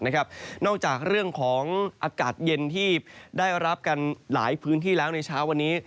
นอกจากเรื่องของอากาศเย็นที่ได้รับกันหลายพื้นที่แล้วในเช้าวันนี้